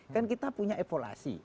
kan kita punya evaluasi